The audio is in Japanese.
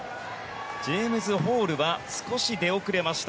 ジェームズ・ホールは少し出遅れました。